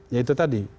ya itu tadi